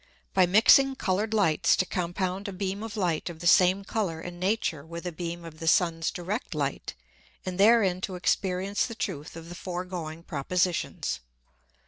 _By mixing colour'd Lights to compound a beam of Light of the same Colour and Nature with a beam of the Sun's direct Light, and therein to experience the Truth of the foregoing Propositions.